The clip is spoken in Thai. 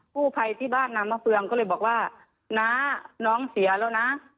ผู้ภัยที่บ้านน้ำมะเฟืองก็เลยบอกว่าน้าน้องเสียแล้วนะ